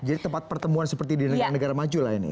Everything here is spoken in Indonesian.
jadi tempat pertemuan seperti di negara negara maju lah ini ya